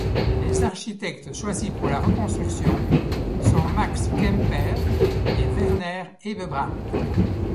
Les architectes choisis pour la reconstruction sont Max Kemper et Werner Hebebrandt.